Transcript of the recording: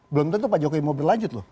belum tentu pak jokowi mau berlanjut loh